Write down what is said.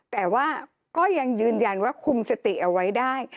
แต่ว่าก็ยังยืนยันว่าคุมสติเอาไว้ได้